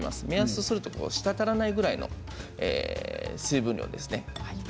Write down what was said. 目安とすると滴らないくらいの水分量ですね。